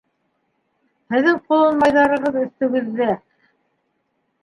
Һеҙҙең ҡолонмайҙарығыҙ өҫтөгөҙҙә.